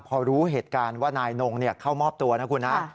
พอรู้เหตุการณ์ว่านายนงเข้ามอบตัวนะคุณฮะ